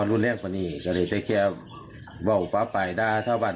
รอบนี้ผู้ช่วยผู้ใหญ่บ้านไม่ไหว